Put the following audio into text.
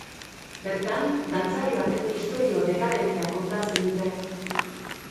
Bertan, dantzari baten istorio dekadentea kontatzen dute.